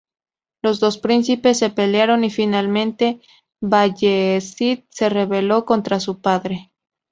Los dos príncipes se pelearon y finalmente Bayezid se rebeló contra su padre.